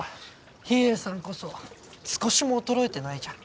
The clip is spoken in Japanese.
秘影さんこそ少しも衰えてないじゃん。